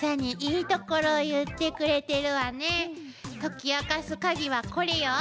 解き明かすカギはこれよ。